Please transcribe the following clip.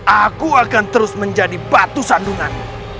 aku akan terus menjadi batu sandungan